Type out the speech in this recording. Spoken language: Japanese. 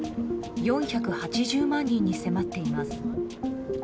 ４８０万人に迫っています。